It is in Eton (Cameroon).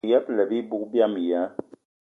Mayi ṅyëbëla bibug biama ya